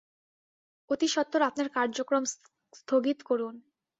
অতিসত্বর আপনার কার্যক্রম স্থগিত করুন!